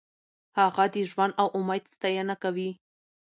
هغه د ژوند او امید ستاینه کوي.